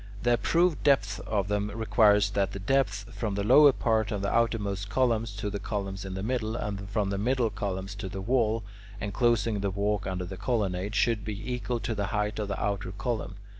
The approved depth for them requires that the depth, from the lower part of the outermost columns to the columns in the middle, and from the middle columns to the wall enclosing the walk under the colonnade, should be equal to the height of the outer columns.